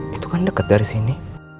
itu kan dekat dari sini